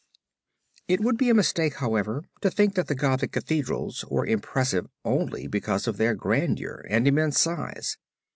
It would be a mistake, however, to think that the Gothic Cathedrals were impressive only because of their grandeur and immense size.